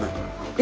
え？